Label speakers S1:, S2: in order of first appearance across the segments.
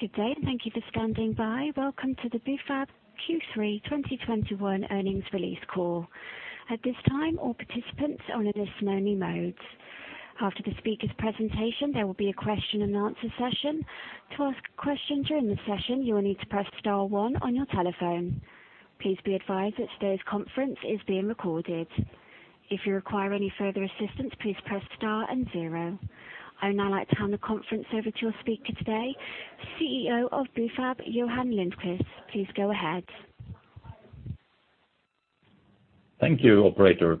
S1: Good day, and thank you for standing by. Welcome to the Bufab Q3 2021 Earnings Release call. At this time, all participants are on a listen-only mode. After the speaker's presentation, there will be a question and answer session. To ask a question during the session, you will need to press star one on your telephone. Please be advised that today's conference is being recorded. If you require any further assistance, please press star and zero. I would now like to hand the conference over to your speaker today, CEO of Bufab, Johan Lindqvist. Please go ahead.
S2: Thank you, operator.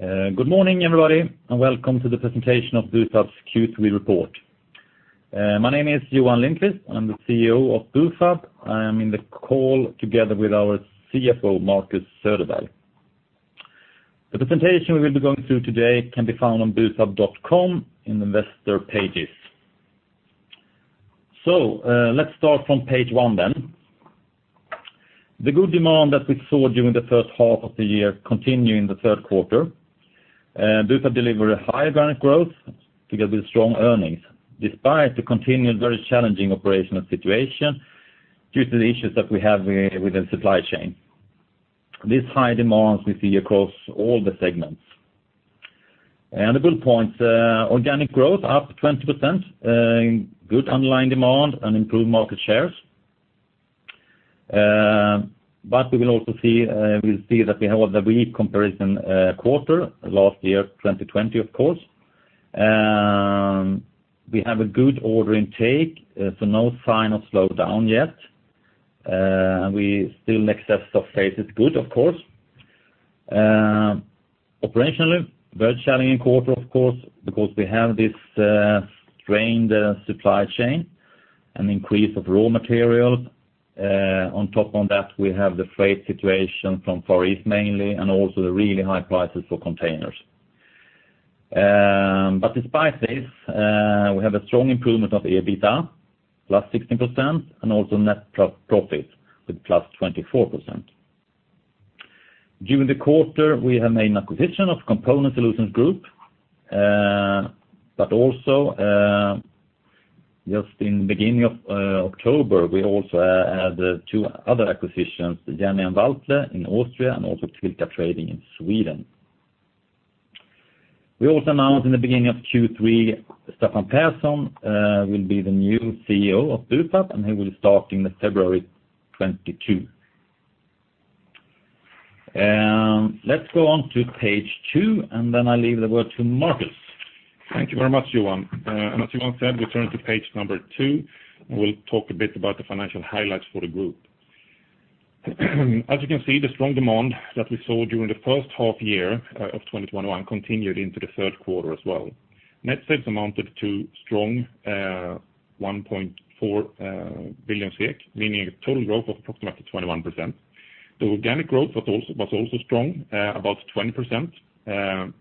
S2: Good morning everybody, and welcome to the presentation of Bufab's Q3 report. My name is Johan Lindqvist, and I'm the CEO of Bufab. I am in the call together with our CFO, Marcus Söderberg. The presentation we will be going through today can be found on bufab.com in Investor pages. Let's start from page one then. The good demand that we saw during the first half of the year continued in the third quarter. Bufab delivered a high organic growth together with strong earnings, despite the continued very challenging operational situation due to the issues that we have within supply chain. This high demand we see across all the segments. The bullet points, organic growth up 20%, good underlying demand and improved market shares. We will also see that we have a weak comparison quarter last year, 2020, of course. We have a good order intake, no sign of slowdown yet. We still mix of sales is good, of course. Operationally, very challenging quarter, of course, because we have this strained supply chain and increase of raw materials. On top of that, we have the freight situation from Far East mainly, and also the really high prices for containers. Despite this, we have a strong improvement of EBITDA, +16%, and also net profit with +24%. During the quarter, we have made an acquisition of Component Solutions Group. But also, just at the beginning of October, we also had two other acquisitions, JENNY | WALTLE in Austria and also Tilka Trading in Sweden. We also announced at the beginning of Q3, Staffan Pehrson will be the new CEO of Bufab, and he will start in February 2022. Let's go on to page two, and then I leave the word to Marcus.
S3: Thank you very much, Johan. As Johan said, we turn to page number two, and we'll talk a bit about the financial highlights for the group. As you can see, the strong demand that we saw during the first half year of 2021 continued into the third quarter as well. Net sales amounted to strong 1.4 billion, meaning a total growth of approximately 21%. The organic growth was also strong, about 20%.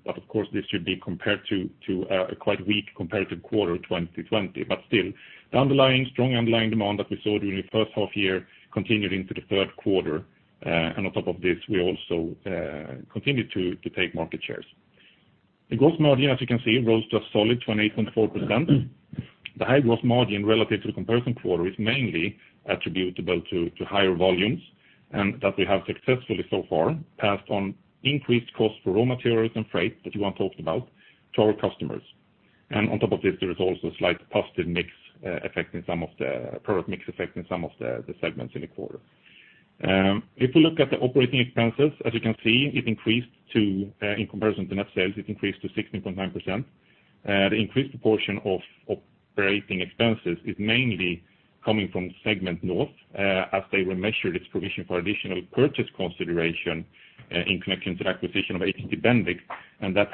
S3: But of course, this should be compared to a quite weak comparative quarter, 2020. Still, the strong underlying demand that we saw during the first half year continued into the third quarter. On top of this, we also continued to take market shares. The gross margin, as you can see, rose to a solid 28.4%. The high gross margin relative to the comparison quarter is mainly attributable to higher volumes, and that we have successfully so far passed on increased cost for raw materials and freight that Johan talked about to our customers. On top of this, there is also a slight positive product mix effect in some of the segments in the quarter. If we look at the operating expenses, as you can see, in comparison to net sales, it increased to 16.9%. The increased proportion of operating expenses is mainly coming from Segment North, as they remeasured its provision for additional purchase consideration, in connection to the acquisition of HT BENDIX, and that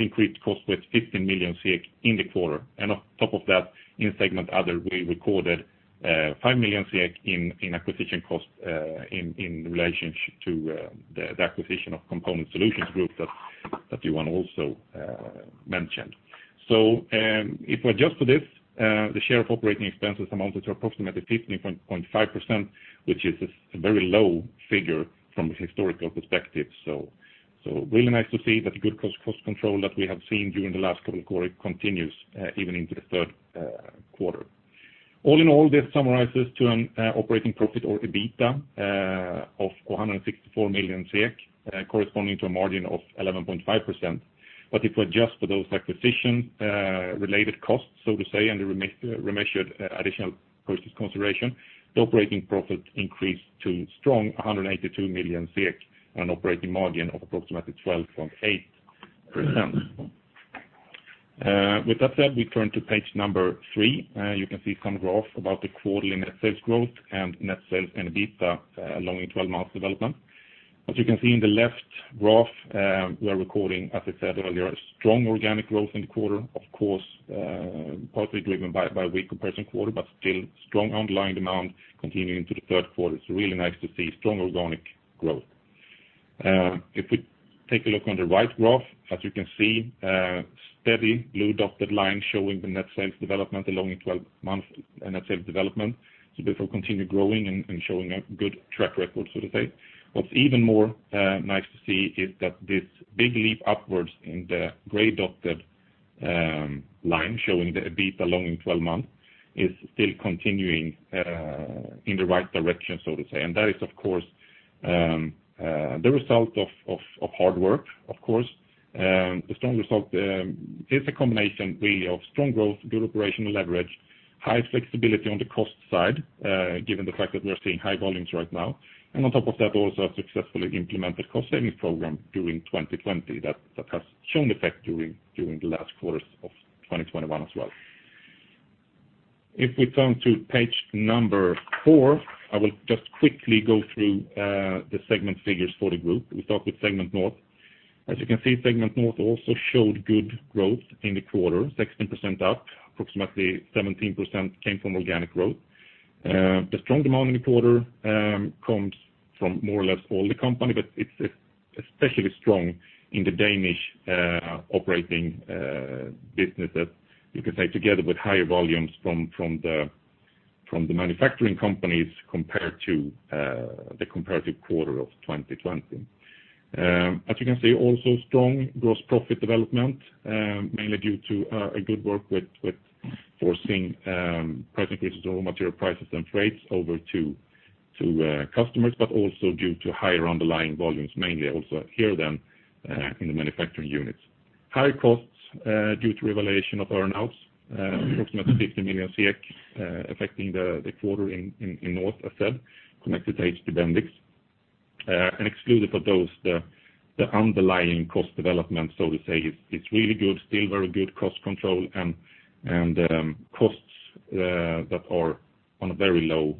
S3: increased cost with 50 million in the quarter. On top of that, in segment other, we recorded 5 million in acquisition costs, in relationship to the acquisition of Component Solutions Group that Johan also mentioned. If we adjust for this, the share of operating expenses amounted to approximately 15.5%, which is a very low figure from a historical perspective. Really nice to see that good cost control that we have seen during the last couple of quarter continues even into the third quarter. All in all, this summarizes to an operating profit or EBITDA of 464 million, corresponding to a margin of 11.5%. If we adjust for those acquisition related costs, so to say, and the remeasured additional purchase consideration, the operating profit increased to a strong 182 million and operating margin of approximately 12.8%. With that said, we turn to page three. You can see some graph about the quarterly net sales growth and net sales and EBITDA along with 12 months development. As you can see in the left graph, we are recording, as I said earlier, a strong organic growth in the quarter, of course, partly driven by weak comparison quarter, but still strong underlying demand continuing into the third quarter. It's really nice to see strong organic growth. If we take a look on the right graph, as you can see, steady blue dotted line showing the net sales development rolling in 12 months net sales development. We will continue growing and showing a good track record, so to say. What's even more nice to see is that this big leap upwards in the gray dotted line showing the EBIT rolling 12 months is still continuing in the right direction, so to say. That is of course the result of hard work, of course. The strong result is a combination really of strong growth, good operational leverage, high flexibility on the cost side, given the fact that we are seeing high volumes right now. On top of that also a successfully implemented cost saving program during 2020 that has shown effect during the last quarters of 2021 as well. If we turn to page number four, I will just quickly go through the segment figures for the group. We start with Segment North. As you can see, Segment North also showed good growth in the quarter, 16% up, approximately 17% came from organic growth. The strong demand in the quarter comes from more or less all the company, but it's especially strong in the Danish operating businesses, you could say, together with higher volumes from the manufacturing companies compared to the comparative quarter of 2020. As you can see, also strong gross profit development, mainly due to a good work with passing on price increases for raw material prices and passing over to customers, but also due to higher underlying volumes, mainly also here than in the manufacturing units. High costs due to realization of earnouts, approximately 50 million, affecting the quarter in North, as said, connected to HT BENDIX. Exclusive of those the underlying cost development, so to say, is really good, still very good cost control and costs that are on a very low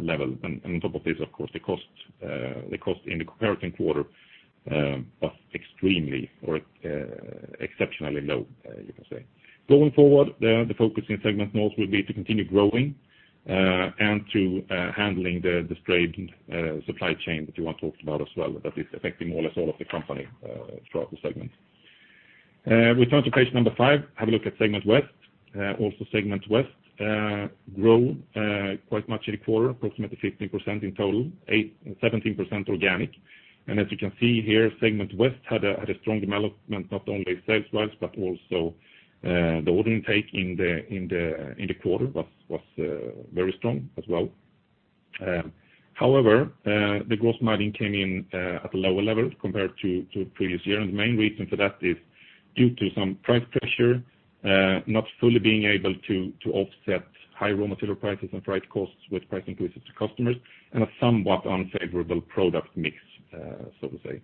S3: level. On top of this of course the cost in the comparative quarter was extremely or exceptionally low, you can say. Going forward, the focus in Segment North will be to continue growing and to handling the strained supply chain that Johan talked about as well, that is affecting more or less all of the company throughout the segment. We turn to page five, have a look at Segment West. Also Segment West grow quite much in the quarter, approximately 15% in total, 17% organic. As you can see here, Segment West had a strong development, not only sales wise, but also the order intake in the quarter was very strong as well. However, the gross margin came in at a lower level compared to previous year. The main reason for that is due to some price pressure, not fully being able to offset high raw material prices and freight costs with price increases to customers and a somewhat unfavorable product mix, so to say.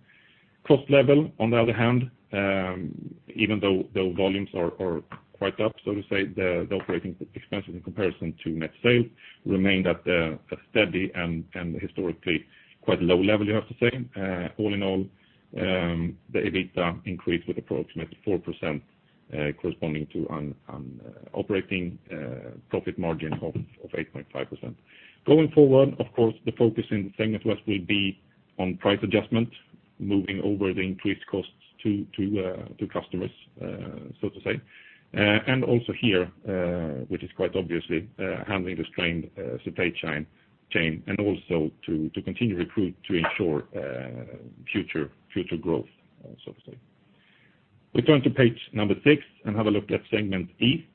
S3: Cost level on the other hand, even though the volumes are quite up, so to say the operating expenses in comparison to net sales remained at a steady and historically quite low level, you have to say. All in all, the EBITDA increased with approximately 4%, corresponding to an operating profit margin of 8.5%. Going forward, of course, the focus in Segment West will be on price adjustment, moving over the increased costs to customers, so to say. Also here, which is quite obviously handling the strained supply chain and also to continue recruiting to ensure future growth, so to say. We turn to page number six and have a look at Segment East.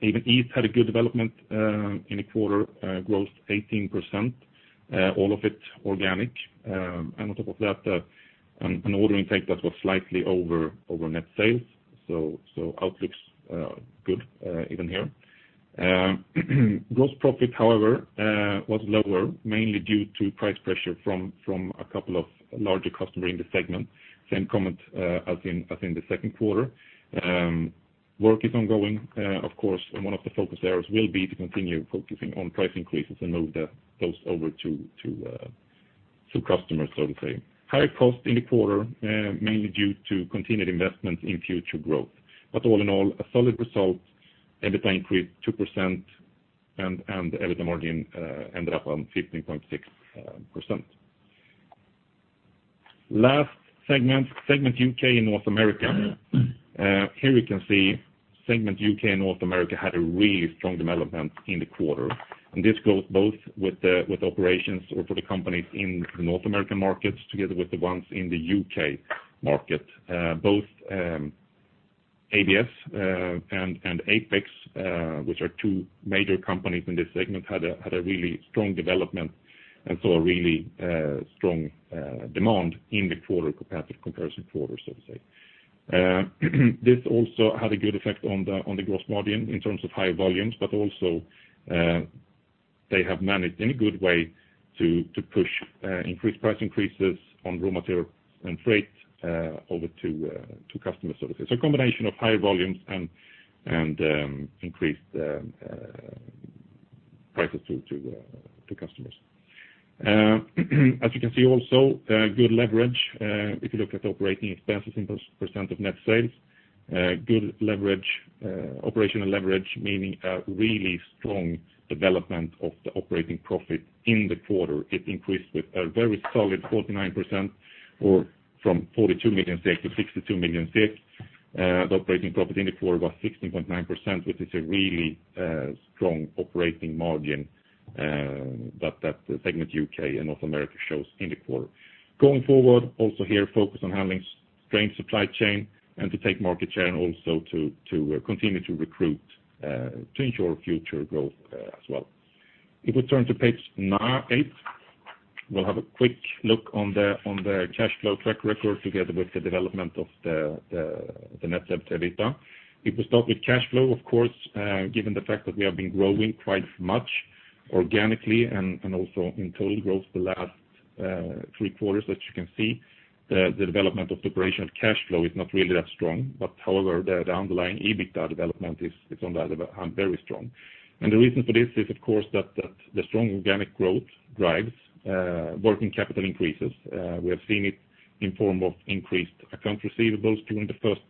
S3: Even East had a good development in the quarter, growth 18%, all of it organic. On top of that, an order intake that was slightly over net sales. Outlook's good, even here. Gross profit, however, was lower mainly due to price pressure from a couple of larger customer in the segment. Same comment as in the second quarter. Work is ongoing, of course, and one of the focus areas will be to continue focusing on price increases and move those over to customers, so to say. High cost in the quarter, mainly due to continued investment in future growth. All in all a solid result, EBITDA increased 2% and EBITDA margin ended up on 15.6%. Last segment, Segment UK/North America. Here we can see Segment UK/North America had a really strong development in the quarter. This goes both with the operations for the companies in the North American markets together with the ones in the U.K. market. Both ABS and Apex, which are two major companies in this segment, had a really strong development and saw a really strong demand in the comparison quarter, so to say. This also had a good effect on the gross margin in terms of higher volumes, but also they have managed in a good way to push increased price increases on raw material and freight over to customers, so to say. A combination of higher volumes and increased prices to customers. As you can see also, good leverage. If you look at the operating expenses in percent of net sales, good leverage, operational leverage, meaning a really strong development of the operating profit in the quarter. It increased with a very solid 49% or from 42 million to 62 million. The operating profit in the quarter was 16.9%, which is a really strong operating margin. That the Segment UK/North America shows in the quarter. Going forward, also here focus on handling supply chain strain and to take market share and also to continue to recruit to ensure future growth, as well. If we turn to page eight, we'll have a quick look on the cash flow track record together with the development of the net debt to EBITDA. If we start with cash flow, of course, given the fact that we have been growing quite much organically and also in total growth the last three quarters that you can see, the development of the operational cash flow is not really that strong. However, the underlying EBITDA development is on the other hand very strong. The reason for this is of course that the strong organic growth drives working capital increases. We have seen it in form of increased accounts receivables during the first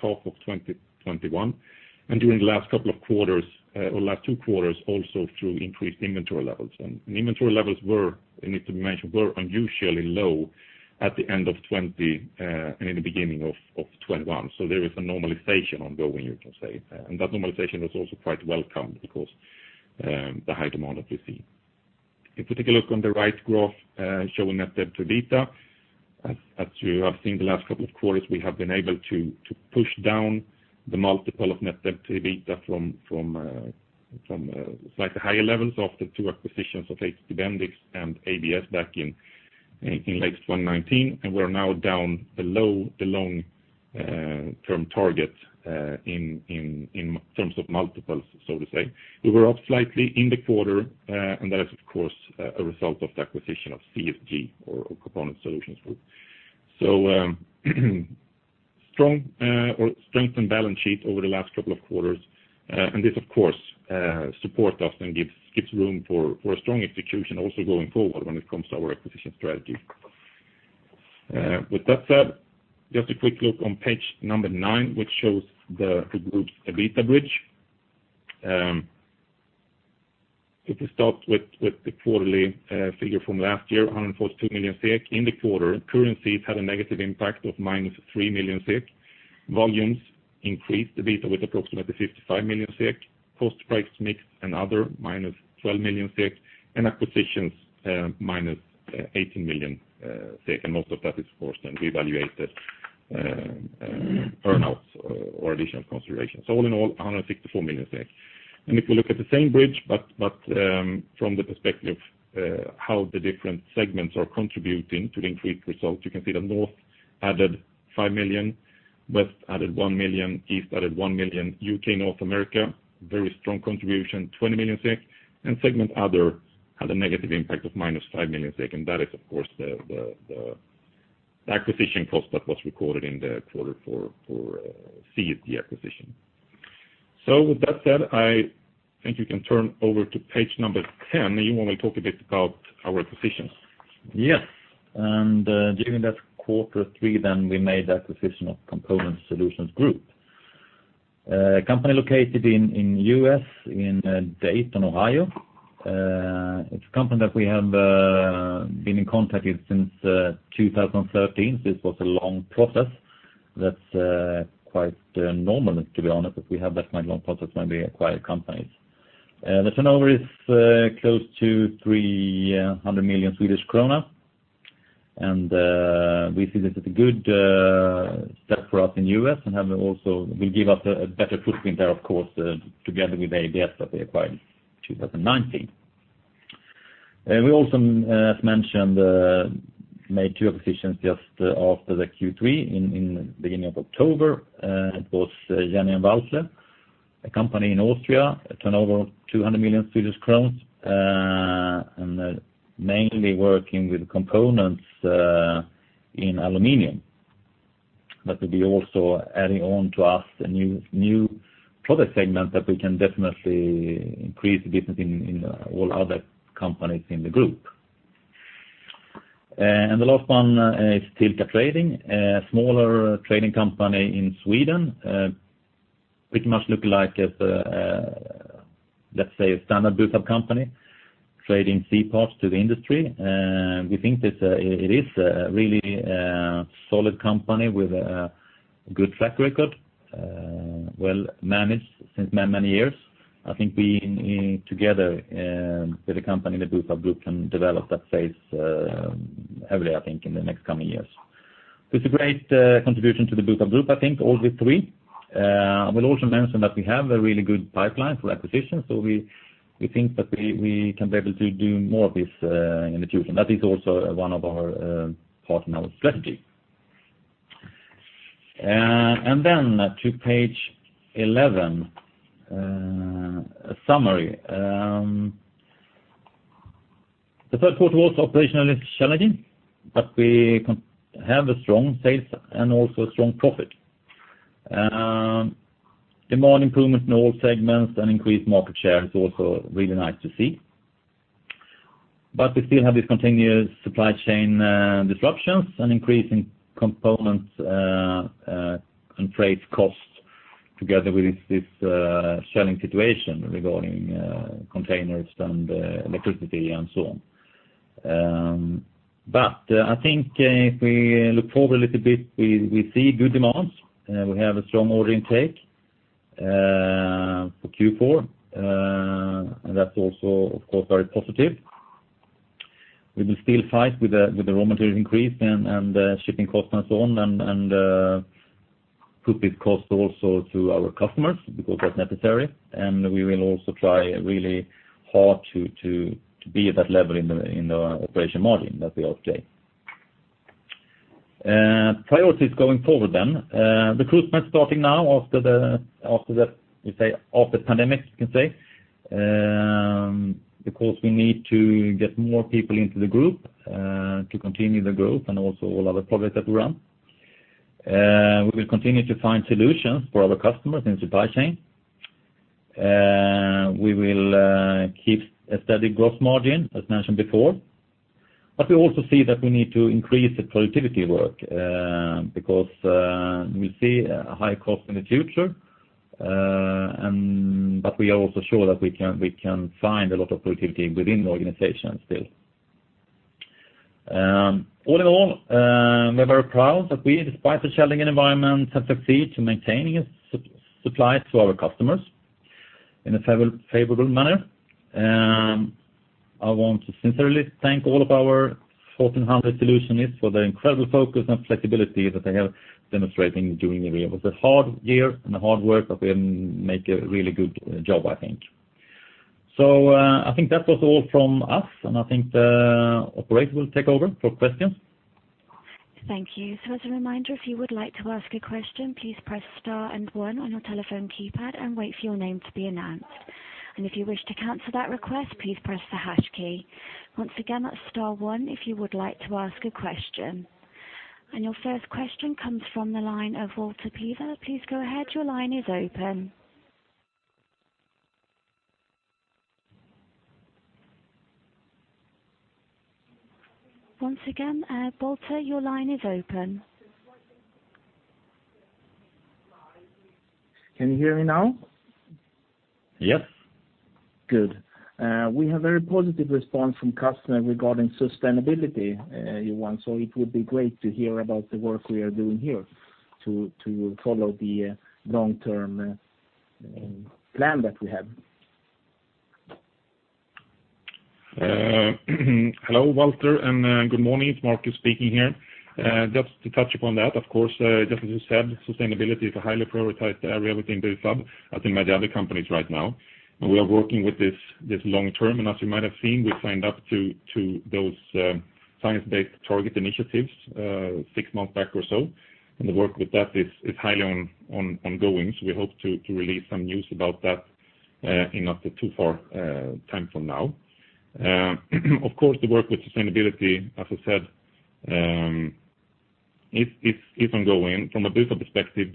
S3: half of 2021, and during the last couple of quarters, or last two quarters, also through increased inventory levels. Inventory levels were, I need to mention, unusually low at the end of 2020, and in the beginning of 2021. There is a normalization ongoing, you can say. That normalization was also quite welcome because the high demand that we see. If we take a look on the right graph showing net debt to EBITDA, as you have seen the last couple of quarters, we have been able to push down the multiple of net debt to EBITDA from slightly higher levels of the two acquisitions of HT BENDIX and ABS back in late 2019, and we're now down below the long-term target in terms of multiples, so to say. We were up slightly in the quarter, and that is of course a result of the acquisition of CSG or Component Solutions Group. Strengthened balance sheet over the last couple of quarters. This of course supports us and gives room for a strong execution also going forward when it comes to our acquisition strategy. With that said, just a quick look on page nine, which shows the group's EBITDA bridge. If you start with the quarterly figure from last year, 142 million SEK in the quarter, currencies had a negative impact of -3 million SEK. Volumes increased EBITDA with approximately 55 million SEK, post price mix and other -12 million SEK, and acquisitions, -18 million SEK. Most of that is, of course, then reevaluated, earn outs or additional considerations. All in all, 164 million. If you look at the same bridge, but from the perspective how the different segments are contributing to the increased results, you can see that North added 5 million, West added 1 million, East added 1 million, UK/North America very strong contribution, 20 million, and Segment Other had a negative impact of -5 million. That is of course the acquisition cost that was recorded in the quarter for CSG acquisition. With that said, I think you can turn over to page number 10, and you want to talk a bit about our acquisitions.
S2: Yes. During that quarter three we made the acquisition of Component Solutions Group. A company located in the U.S. in Dayton, Ohio. It's a company that we have been in contact with since 2013. This was a long process that's quite normal, to be honest, if we have that kind of long process when we acquire companies. The turnover is close to 300 million Swedish krona. We see this as a good step for us in the U.S. and will give us a better footprint there, of course, together with ABS that we acquired in 2019. We also, as mentioned, made two acquisitions just after the Q3 in the beginning of October. It was JENNY | WALTLE, a company in Austria, a turnover of 200 million Swedish crowns, and mainly working with components in aluminum. That will be also adding on to us a new product segment that we can definitely increase the business in all other companies in the group. The last one is Tilka Trading, a smaller trading company in Sweden, which looks much like a, let's say, a standard Bufab company, trading C parts to the industry. We think it is really solid company with a good track record, well managed since many years. I think we together with the company, the Bufab Group, can develop that space heavily, I think, in the next coming years. It's a great contribution to the Bufab Group, I think, all these three. I will also mention that we have a really good pipeline for acquisitions, so we think that we can be able to do more of this in the future. That is also one of our part in our strategy. To page 11, a summary. The third quarter was operationally challenging, but we have a strong sales and also a strong profit. Demand improvement in all segments and increased market share is also really nice to see. We still have these continuous supply chain disruptions and increase in components and freight costs together with this shortage situation regarding containers and electricity and so on. I think if we look forward a little bit, we see good demands. We have a strong order intake for Q4. That's also, of course, very positive. We will still fight with the raw material increase and shipping costs and so on, and put this cost also to our customers because that's necessary. We will also try really hard to be at that level in the operating margin that we have today. Priorities going forward then. Recruitment starting now after the pandemic, you can say, because we need to get more people into the group to continue the growth and also all other projects that we run. We will continue to find solutions for our customers in supply chain. We will keep a steady growth margin, as mentioned before. We also see that we need to increase the productivity work, because we see a high cost in the future. We are also sure that we can find a lot of productivity within the organization still. All in all, we're very proud that we, despite the challenging environment, have succeeded in maintaining supply to our customers in a favorable manner. I want to sincerely thank all of our 1,400 solutionists for their incredible focus and flexibility that they have demonstrated during the year. It was a hard year and a hard work, but we made a really good job, I think. I think that was all from us, and I think the operator will take over for questions.
S1: Thank you. As a reminder, if you would like to ask a question, please press star and one on your telephone keypad and wait for your name to be announced. If you wish to cancel that request, please press the hash key. Once again, that's star one if you would like to ask a question. Your first question comes from the line of Walter Piva. Please go ahead, your line is open. Once again, Walter, your line is open.
S4: Can you hear me now?
S3: Yes.
S4: Good. We have very positive response from customer regarding sustainability, Johan, so it would be great to hear about the work we are doing here to follow the long-term plan that we have.
S3: Hello, Walter, and good morning. It's Marcus speaking here. Just to touch upon that, of course, just as you said, sustainability is a highly prioritized area within Bufab, as in many other companies right now. We are working with this long-term. As you might have seen, we signed up to those Science Based Targets initiatives six months back or so. The work with that is highly ongoing. We hope to release some news about that in not too far time from now. Of course, the work with sustainability, as I said, is ongoing. From a Bufab perspective,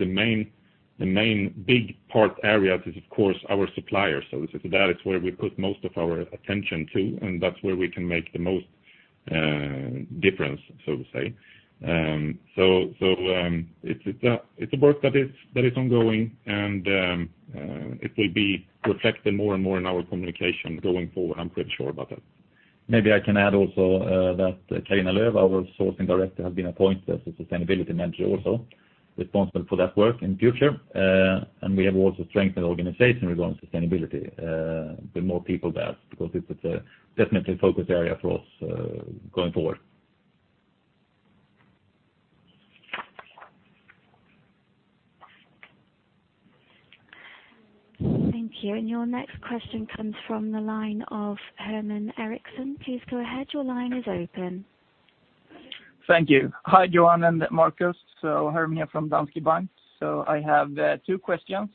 S3: the main big part areas is of course our supplier services. That is where we put most of our attention to, and that's where we can make the most difference, so to say. It's a work that is ongoing and it will be reflected more and more in our communication going forward. I'm pretty sure about that.
S2: Maybe I can add also that Carina Lööf, our Sourcing Director, has been appointed as a Sustainability Manager also, responsible for that work in the future. We have also strengthened organization regarding sustainability with more people there, because it's definitely a focus area for us going forward.
S1: Thank you. Your next question comes from the line of Herman Eriksson. Please go ahead, your line is open.
S5: Thank you. Hi, Johan and Marcus. Herman from Danske Bank. I have two questions.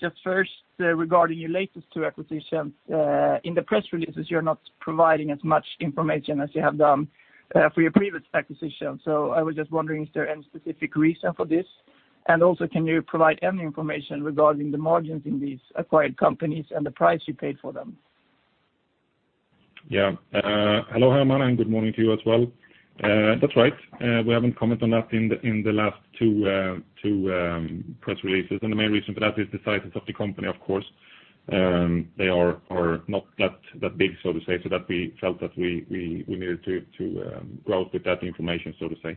S5: Just first, regarding your latest two acquisitions, in the press releases, you're not providing as much information as you have done for your previous acquisitions. I was just wondering, is there any specific reason for this? And also, can you provide any information regarding the margins in these acquired companies and the price you paid for them?
S3: Hello, Herman, and good morning to you as well. That's right. We haven't commented on that in the last two press releases. The main reason for that is the sizes of the company, of course. They are not that big, so to say, so that we felt that we needed to go out with that information, so to say.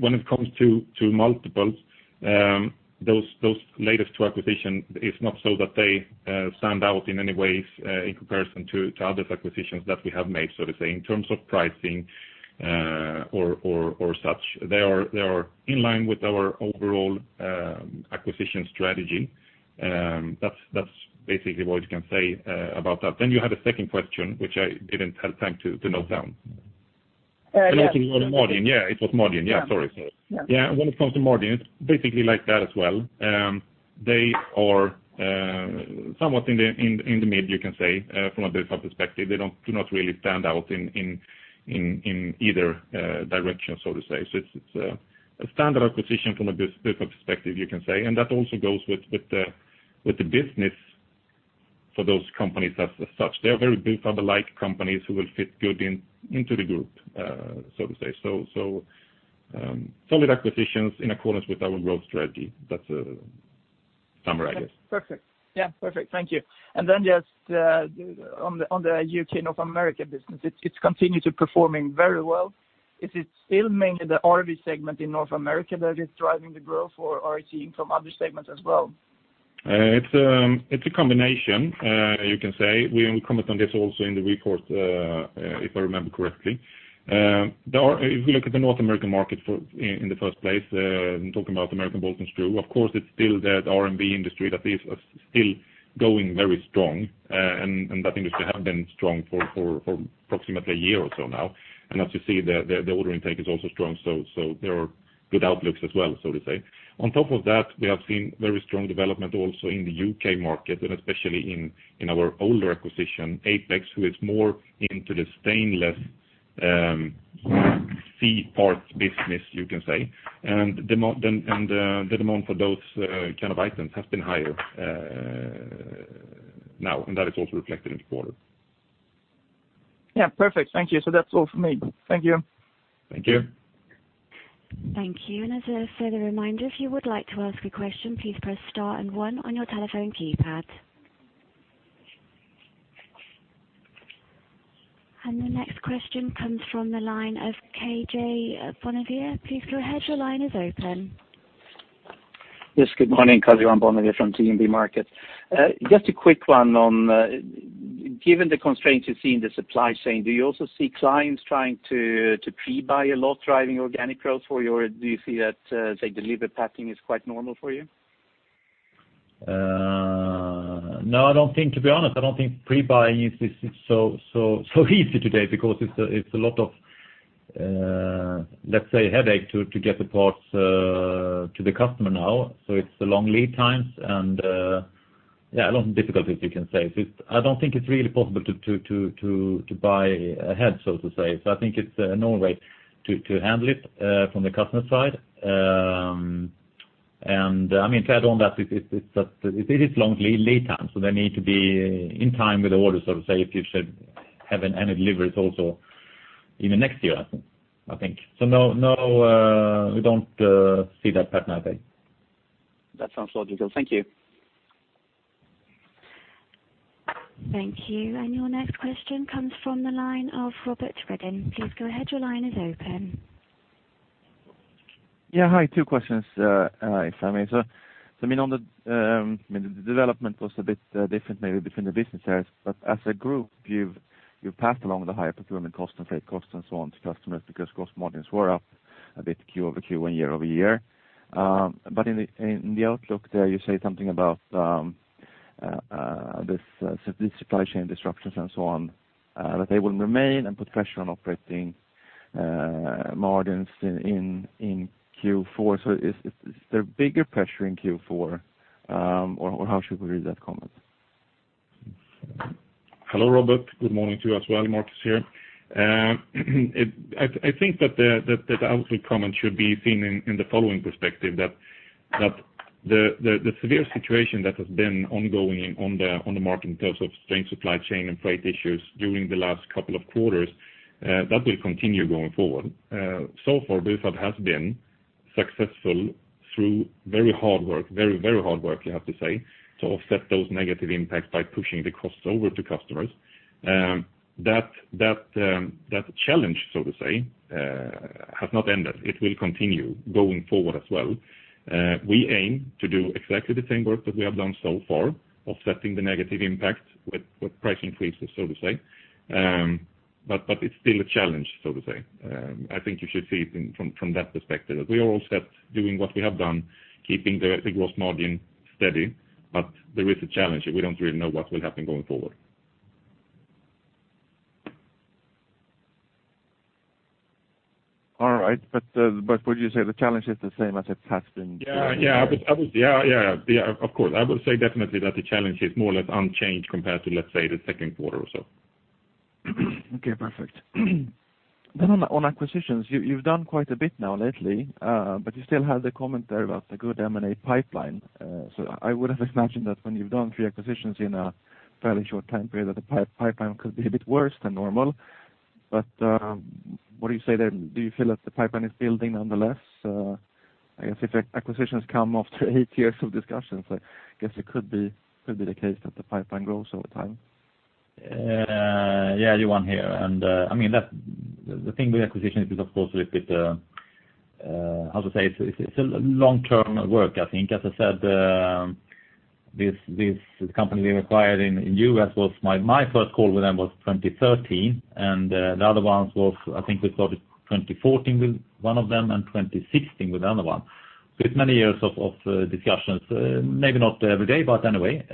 S3: When it comes to multiples, those latest two acquisitions, it's not so that they stand out in any ways in comparison to other acquisitions that we have made, so to say. In terms of pricing, or such, they are in line with our overall acquisition strategy. That's basically what you can say about that. You had a second question, which I didn't have time to note down.
S5: Yeah.
S3: I think it was margin. Yeah, it was margin. Yeah, sorry.
S5: Yeah.
S3: Yeah, when it comes to margin, it's basically like that as well. They are somewhat in the mid, you can say, from a Bufab perspective. They do not really stand out in either direction, so to say. It's a standard acquisition from a Bufab perspective, you can say. That also goes with the business for those companies as such. They are very Bufab-like companies who will fit good into the group, so to say. Solid acquisitions in accordance with our growth strategy.
S5: Perfect. Yeah, perfect. Thank you. Just on the UK/North America business, it's continued to be performing very well. Is it still mainly the [RV] segment in North America that is driving the growth or are you seeing from other segments as well?
S3: It's a combination. You can say. We will comment on this also in the report, if I remember correctly. If you look at the North American market for, in the first place, I'm talking about American Bolt & Screw. Of course, it's still that [RV] industry that is still going very strong. And that industry have been strong for approximately a year or so now. As you see the order intake is also strong, so there are good outlooks as well, so to say. On top of that, we have seen very strong development also in the U.K. market, and especially in our older acquisition, Apex, who is more into the stainless C-part business, you can say. The demand for those kind of items have been higher now, and that is also reflected in the quarter.
S5: Yeah, perfect. Thank you. That's all for me. Thank you.
S3: Thank you.
S1: Thank you. As a further reminder, if you would like to ask a question, please press star and one on your telephone keypad. The next question comes from the line of KJ Bonnevier. Please go ahead. Your line is open.
S6: Yes, good morning. Karl-Johan Bonnevier from DNB Markets. Just a quick one on, given the constraints you see in the supply chain, do you also see clients trying to pre-buy a lot, driving organic growth for you, or do you see that, say, delivery pattern is quite normal for you?
S2: No, I don't think, to be honest, I don't think pre-buying is so easy today because it's a lot of, let's say, headache to get the parts to the customer now. It's the long lead times and yeah, a lot of difficulties you can say. I don't think it's really possible to buy ahead, so to say. I think it's a normal way to handle it from the customer side. I mean, to add on that, it's just long lead time, so they need to be in time with the order, so to say, if you should have any deliveries also even next year, I think. No, we don't see that pattern, I think.
S6: That sounds logical. Thank you.
S1: Thank you. Your next question comes from the line of Robert Redin. Please go ahead. Your line is open.
S7: Yeah, hi. Two questions, if I may. I mean, the development was a bit different maybe between the business areas, but as a group, you've passed along the higher procurement cost and freight costs and so on to customers because gross margins were up a bit Q-over-Q and Year-over-Year. But in the outlook there, you say something about this supply chain disruptions and so on that they will remain and put pressure on operating margins in Q4. Is there bigger pressure in Q4, or how should we read that comment?
S3: Hello, Robert. Good morning to you as well. Marcus here. I think that the outlook comment should be seen in the following perspective, that the severe situation that has been ongoing on the market in terms of strained supply chain and freight issues during the last couple of quarters that will continue going forward. So far, Bufab has been successful through very hard work, you have to say, to offset those negative impacts by pushing the costs over to customers. That challenge, so to say, has not ended. It will continue going forward as well. We aim to do exactly the same work that we have done so far, offsetting the negative impact with price increases, so to say. It's still a challenge, so to say. I think you should see it from that perspective. We are all set doing what we have done, keeping the gross margin steady, but there is a challenge, and we don't really know what will happen going forward.
S7: All right. Would you say the challenge is the same as it has been before?
S3: Yeah. Of course. I would say definitely that the challenge is more or less unchanged compared to, let's say, the second quarter or so.
S7: Okay, perfect. On acquisitions, you've done quite a bit now lately, but you still have the comment there about the good M&A pipeline. I would have imagined that when you've done three acquisitions in a fairly short time period, that the pipeline could be a bit worse than normal. What do you say then? Do you feel that the pipeline is building nonetheless? I guess if acquisitions come after eight years of discussions, I guess it could be the case that the pipeline grows over time.
S2: Yeah, Johan here. I mean, the thing with acquisitions is, of course, with the, how to say it's a long-term work, I think. As I said, this company we acquired in U.S. was my first call with them was 2013, and the other ones was, I think we started 2014 with one of them and 2016 with the other one. It's many years of discussions. Maybe not every day, but anyway.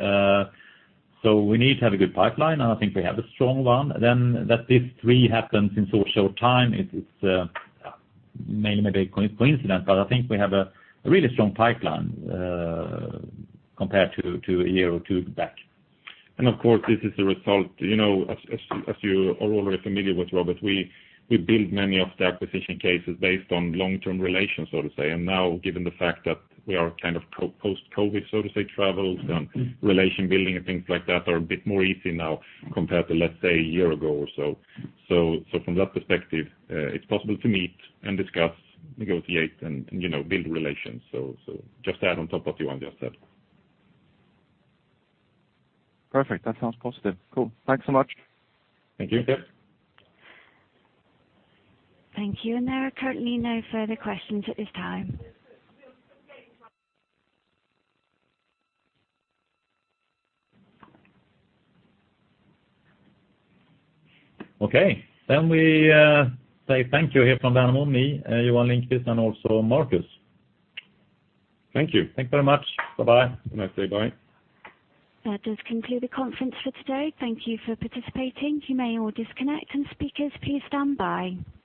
S2: We need to have a good pipeline, and I think we have a strong one. That these three happens in so short time, it's mainly maybe coincidence, but I think we have a really strong pipeline, compared to a year or two back.
S3: Of course, this is the result, you know, as you are already familiar with, Robert, we build many of the acquisition cases based on long-term relations, so to say. Now, given the fact that we are kind of post-COVID, so to say, travels and relation building and things like that are a bit more easy now compared to, let's say, a year ago or so. So from that perspective, it's possible to meet and discuss, negotiate and, you know, build relations. Just to add on top what Johan just said.
S7: Perfect. That sounds positive. Cool. Thanks so much.
S3: Thank you.
S2: Yeah.
S1: Thank you. There are currently no further questions at this time.
S2: Okay. We say thank you here from Värnamo, me, Johan Lindqvist, and also Marcus.
S3: Thank you.
S2: Thank you very much. Bye-bye.
S3: Have a nice day. Bye.
S1: That does conclude the conference for today. Thank you for participating. You may all disconnect. Speakers, please stand by.